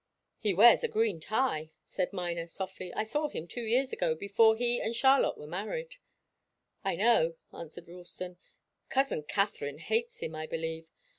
"He wears a green tie," said Miner, softly. "I saw him two years ago, before he and Charlotte were married." "I know," answered Ralston. "Cousin Katharine hates him, I believe.